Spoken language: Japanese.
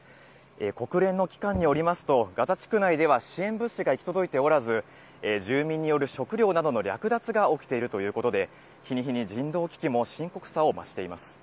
国連の機関によりますと、ガザ地区内では支援物資が行き届いておらず、住民による食料などの略奪が起きているということで、日に日に人道危機も深刻さを増しています。